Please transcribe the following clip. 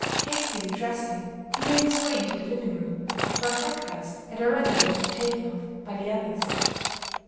Hastily dressing, he made his way into the living room, where breakfast had already been partaken of by the others.